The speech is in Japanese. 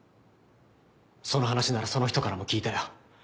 その話ならその人からも聞いたよ。